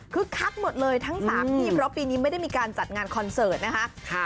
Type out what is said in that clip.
คักหมดเลยทั้ง๓ที่เพราะปีนี้ไม่ได้มีการจัดงานคอนเสิร์ตนะคะ